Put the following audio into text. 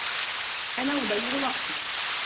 أنا أضيع وقتي.